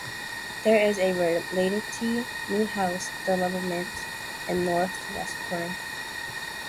There is a relatively new housing development in the north west corner.